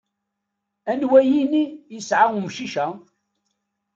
Anwa yini isεa umcic-a?